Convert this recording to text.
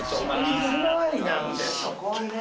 水回りなんでそこはね。